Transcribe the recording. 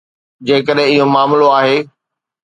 جيڪڏهن اهو معاملو آهي.